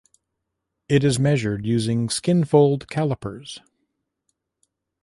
It is measured using skinfold calipers.